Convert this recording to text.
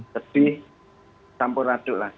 sedih tampur aduk lah